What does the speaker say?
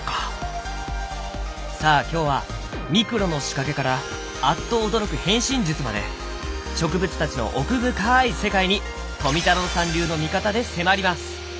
さあ今日はミクロの仕掛けからあっと驚く変身術まで植物たちの奥深い世界に富太郎さん流の見方で迫ります！